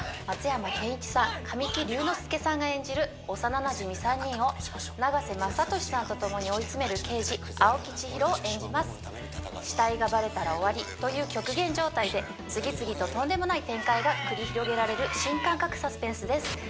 松山ケンイチさん神木隆之介さんが演じる幼なじみ３人を永瀬正敏さんとともに追い詰める刑事青木千尋を演じます死体がバレたら終わりという極限状態で次々ととんでもない展開が繰り広げられる新感覚サスペンスです